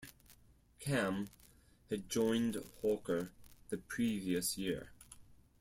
Camm had joined Hawker the previous year.